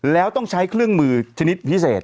แล้วต้องใช้เครื่องมือชนิดพิเศษ